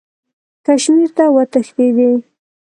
کشمیر ته وتښتېدی.